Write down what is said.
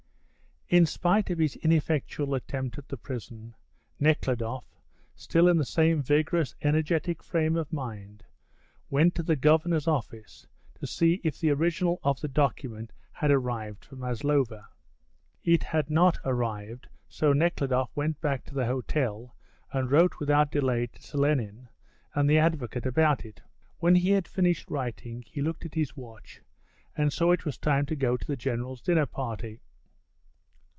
In spite of his ineffectual attempt at the prison, Nekhludoff, still in the same vigorous, energetic frame of mind, went to the Governor's office to see if the original of the document had arrived for Maslova. It had not arrived, so Nekhludoff went back to the hotel and wrote without delay to Selenin and the advocate about it. When he had finished writing he looked at his watch and saw it was time to go to the General's dinner party.